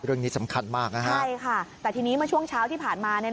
เรื่องนี้สำคัญมากใช่ค่ะแต่ทีนี้เมื่อช่วงเช้าที่ผ่านมา